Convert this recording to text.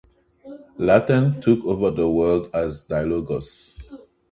Latin took over the word as "dialogus".